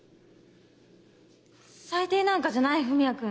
最低なんかじゃない文也君。